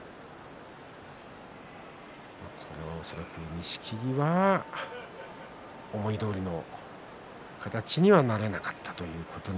錦木は、思いどおりの形にはなれなかったということに。